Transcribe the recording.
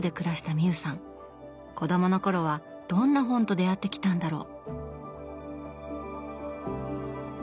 子供の頃はどんな本と出会ってきたんだろう